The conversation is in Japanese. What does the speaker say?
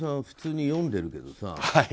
普通に読んでるけどさ。